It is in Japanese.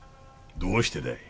どうしてだい？